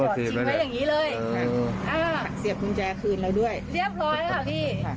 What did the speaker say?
จอดจริงไว้อย่างงี้เลยเออเสียบกุญแจคืนแล้วด้วยเรียบร้อยหรอพี่